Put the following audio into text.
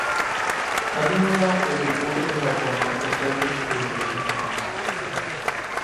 Azimullah is reported to have contacted Turkish and Russian spies.